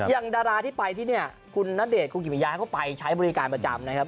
ดาราที่ไปที่เนี่ยคุณณเดชนคุณกิบิยาก็ไปใช้บริการประจำนะครับ